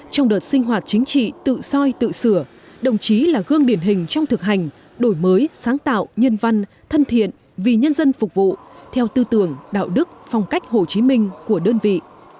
trong đợt sinh hoạt chính trị tự soi tự sửa đồng chí là gương điển hình trong thực hành đổi mới sáng tạo nhân văn thân thiện vì nhân dân phục vụ theo tư tưởng đạo đức phong cách hồ chí minh của đơn vị